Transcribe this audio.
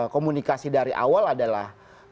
komunikasi dari awal adalah